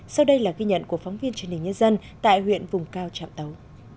sau đây là ghi nhận của phóng viên truyền hình nhân dân tại huyện vùng cao trạm tấu